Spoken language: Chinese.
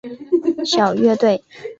小乐队。